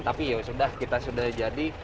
tapi ya sudah kita sudah jadi